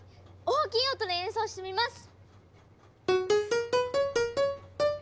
大きい音で演奏してみます！